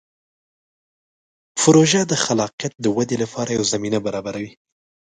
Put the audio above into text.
پروژه د خلاقیت د ودې لپاره یوه زمینه برابروي.